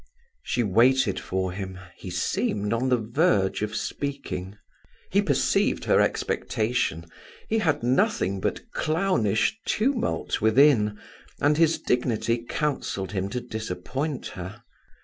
She waited for him; he seemed on the verge of speaking. He perceived her expectation; he had nothing but clownish tumult within, and his dignity counselled him to disappoint her.